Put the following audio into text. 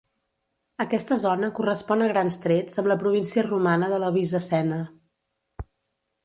Aquesta zona correspon a grans trets amb la província romana de la Bizacena.